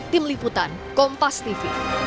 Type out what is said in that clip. tim liputan kompas tv